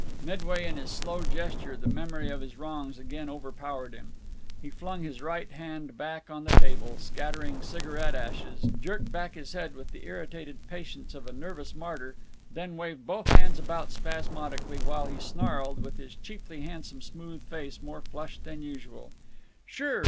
Midway in this slow gesture the memory of his wrongs again overpowered him. He flung his right hand back on the table, scattering cigarette ashes, jerked back his head with the irritated patience of a nervous martyr, then waved both hands about spasmodically, while he snarled, with his cheaply handsome smooth face more flushed than usual: "Sure!